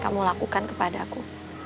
kamu lakukan kepada aku